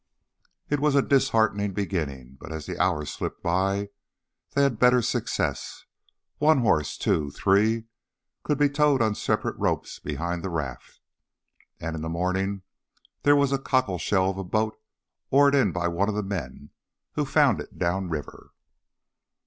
It was a disheartening beginning. But as the hours slipped by they had better success. One horse, two, three could be towed on separate ropes behind the raft. And in the morning there was a cockleshell of a boat oared in by one of the men who had found it downriver.